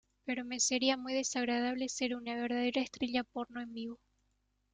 Pero me sería muy desagradable ser una verdadera estrella porno en vivo.